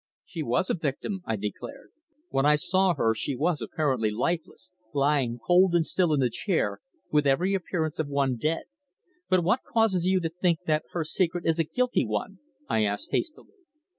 "She was a victim," I declared. "When I saw her she was apparently lifeless, lying cold and still in the chair, with every appearance of one dead. But what causes you to think that her secret is a guilty one?" I asked hastily.